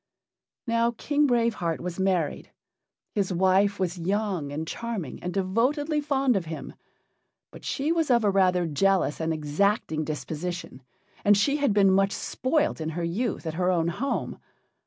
Now, King Brave Heart was married. His wife was young and charming, and devotedly fond of him. But she was of a rather jealous and exacting disposition, and she had been much spoilt in her youth at her own home.